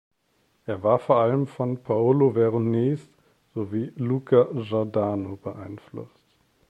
Er war vor allem von Paolo Veronese sowie Luca Giordano beeinflusst.